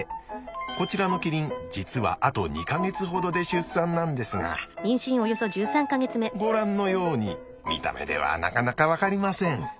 こちらのキリン実はあと２か月ほどで出産なんですがご覧のように見た目ではなかなか分かりません。